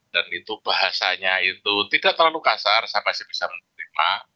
dan itu bahasanya itu tidak terlalu kasar saya masih bisa menerima